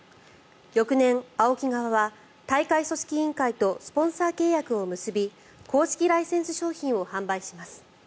翌年、ＡＯＫＩ側は大会組織委員会とスポンサー契約を結び公式ライセンス商品を販売します。